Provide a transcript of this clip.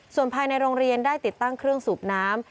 ส่วนภายในโรงเรียนได้ติดตั้งเครื่องสูบน้ำ